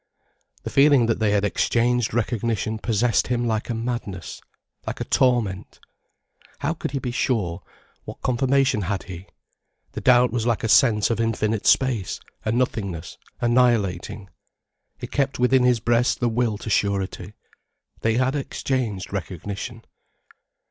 The feeling that they had exchanged recognition possessed him like a madness, like a torment. How could he be sure, what confirmation had he? The doubt was like a sense of infinite space, a nothingness, annihilating. He kept within his breast the will to surety. They had exchanged recognition.